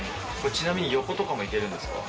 ちなみに、横とかもいけるんですか？